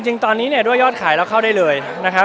จริงตอนนี้เนี่ยด้วยยอดขายเราเข้าได้เลยนะครับ